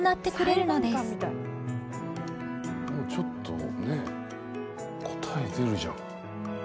もうちょっとねえ答え出るじゃん。